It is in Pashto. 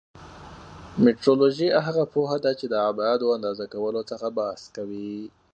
مټرولوژي هغه پوهه ده چې د ابعادو اندازه کولو څخه بحث کوي.